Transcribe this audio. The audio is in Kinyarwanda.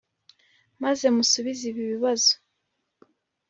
maze musubize ibi bibazo.